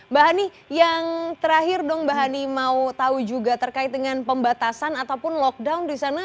mbak hani yang terakhir dong mbak hani mau tahu juga terkait dengan pembatasan ataupun lockdown di sana